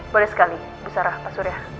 boleh sekali ibu sarah pak surya